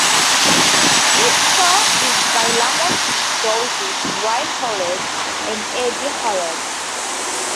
Its score is by Lamont Dozier, Brian Holland and Eddie Holland.